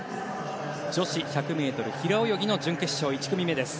女子１００ｍ平泳ぎの準決勝１組目です。